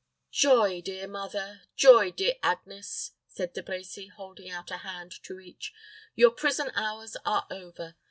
"Joy, dear mother joy, dearest Agnes," said De Brecy, holding out a hand to each. "Your prison hours are over.